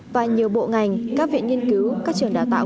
và nhiều bộ ngành các viện nghiên cứu các trường đào tạo